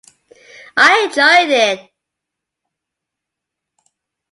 I enjoyed it.